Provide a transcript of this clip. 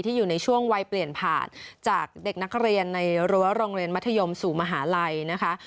อยู่ในช่วงวัยเปลี่ยนผ่านจากเด็กนักเรียนในรั้วโรงเรียนมัธยมสู่มหาลัยนะคะ